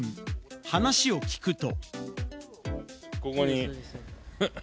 話を聞くと。